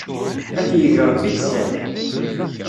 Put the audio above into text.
Ad t-yegg rebbi d sseɛd.